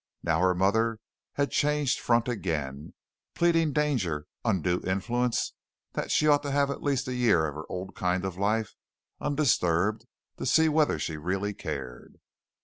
Now her mother had changed front again, pleading danger, undue influence, that she ought to have at least a year of her old kind of life undisturbed to see whether she really cared.